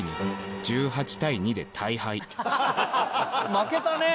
負けたねえ。